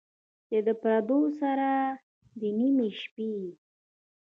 چې د پردو سره، د نیمې شپې،